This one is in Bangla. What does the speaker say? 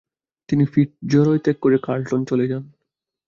তিনি ফিটজরয় ত্যাগ করে কার্লটনে চলে যান।